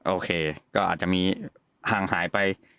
โอเคก็อาจจะมีห่างหายไป